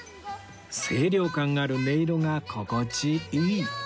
清涼感がある音色が心地いい